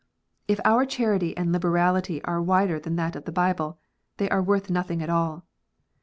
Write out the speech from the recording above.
If our charity and liberality are wider than that of the Bible, they are worth nothing at all.